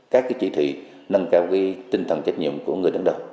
các chỉ thị nâng cao tinh thần trách nhiệm của người đứng đầu